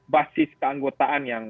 basis keanggotaan yang